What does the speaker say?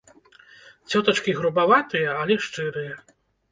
Цётачкі грубаватыя, але шчырыя.